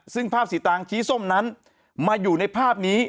ซึ่งภาพสีตางชี้ส้มนั้นมาอยู่ในภาพนี้